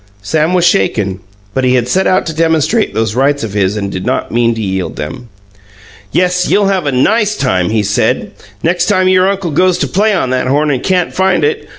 Sam was shaken, but he had set out to demonstrate those rights of his and did not mean to yield them. "Yes; you'll have a NICE time," he said, "next time your uncle goes to play on that horn and can't find it.